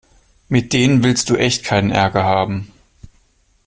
Mit denen willst du echt keinen Ärger haben.